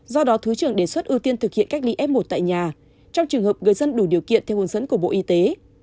do đó thứ trưởng đề xuất ưu tiên thực hiện cách ly f một tại nhà trong trường hợp người dân đủ điều kiện theo hướng dẫn của bộ y tế